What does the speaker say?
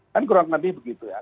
kan kurang lebih begitu ya